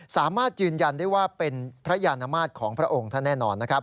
สามารถยืนยันได้ว่าเป็นพระยานมาตรของพระองค์ท่านแน่นอนนะครับ